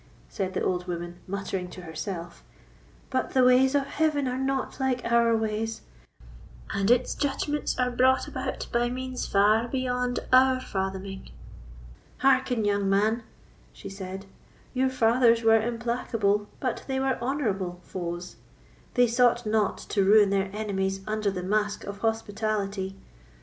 said the old woman, muttering to herself; "but the ways of Heaven are not like our ways, and its judgments are brought about by means far beyond our fathoming. Hearken, young man," she said; "your fathers were implacable, but they were honourable, foes; they sought not to ruin their enemies under the mask of hospitality.